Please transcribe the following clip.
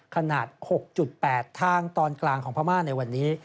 ขนาด๖๘ทางตอนกลางของพม่าในวันนี้